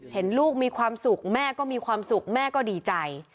เห็นลูกมีความสุขแม่ก็มีความสุขแม่ก็ดีใจ